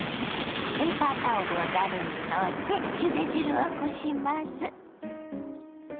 ペーパータオルをざるにのせゆで汁をこします。